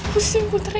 aku pusing putri